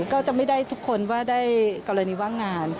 ก็จะไม่ได้ทุกคนว่าได้กรณีว่างงาน